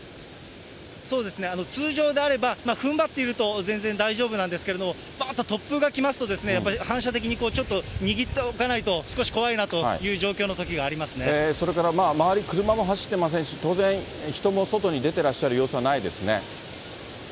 そうですね、通常であれば、ふんばっていると全然大丈夫なんですが、ばーっと突風がきますと、やっぱり反射的にちょっと握っておかないと、少し怖いなという状それから周り、車も走ってませんし、当然、人も外に出てらっしゃる様子はないですね。